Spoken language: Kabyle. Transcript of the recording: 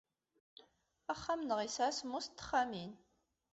Axxam-nneɣ yesɛa semmus n texxamin.